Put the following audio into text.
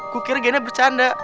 gue kira diana bercanda